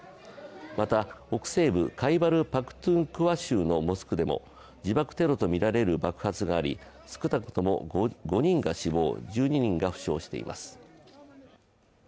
また北西部カイバル・パクトゥンクワ州のモスクでも自爆テロとみられる爆発があり少なくとも５人が死亡、１２人が負傷しています。